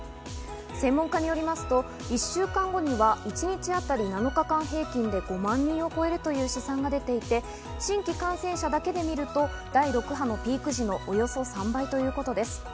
専門家によりますと、１週間後には一日当たり７日間平均で５万人を超えるという試算が出ていて、新規感染者だけで見ると、第６波のピーク時のおよそ３倍ということです。